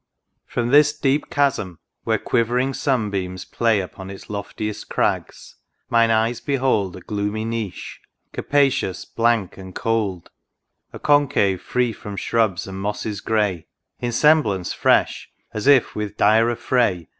17 XV. From this deep chasm — where quivering sun beams play Upon its loftiest crags — mine eyes behold A gloomy Niche, capacious, blank, and cold ; A concave free from shrubs and mosses grey ; In semblance fresh, as if, with dire affray.